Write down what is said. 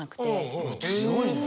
強いね！